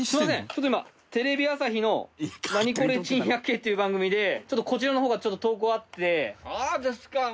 ちょっと今テレビ朝日の『ナニコレ珍百景』っていう番組でちょっとこちらの方が投稿あって。